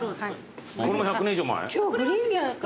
はい。